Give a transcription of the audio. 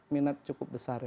minat cukup besar ya